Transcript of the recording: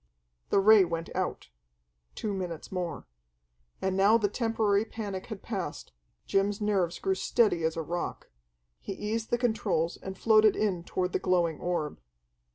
The ray went out. Two minutes more. And now the temporary panic had passed; Jim's nerves grew steady as a rock. He eased the controls and floated in toward the glowing orb.